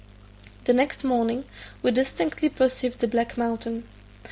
The next morning we distinctly perceived the black mountain.